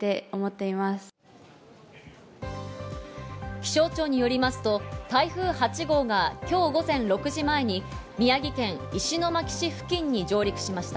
気象庁によりますと、台風８号は今日午前６時前に宮城県石巻市付近に上陸しました。